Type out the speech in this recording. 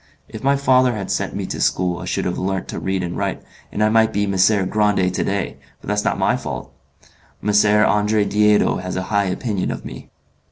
If my father had sent me to school I should have learnt to read and write, and I might be Messer Grande to day, but that's not my fault. M. Andre Diedo has a high opinion of me.